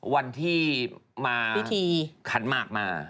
วันที่มาขันมากมา